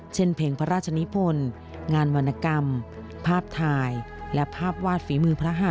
เพลงพระราชนิพลงานวรรณกรรมภาพถ่ายและภาพวาดฝีมือพระหา